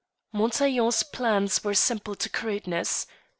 Montaiglon's plans were simple to crudeness.